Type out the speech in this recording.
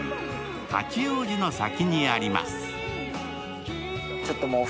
八王子の先にあります。